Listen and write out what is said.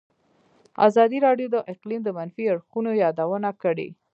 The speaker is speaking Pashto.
ازادي راډیو د اقلیم د منفي اړخونو یادونه کړې.